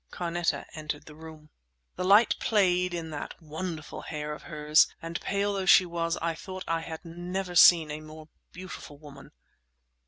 Carneta entered the room. The light played in that wonderful hair of hers; and pale though she was, I thought I had never seen a more beautiful woman.